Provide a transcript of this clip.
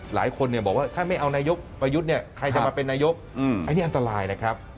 หลายคนบอกว่าถ้าไม่เอานายกประยุทธ์เนี่ยใครจะมาเป็นนายกอันนี้อันตรายนะครับ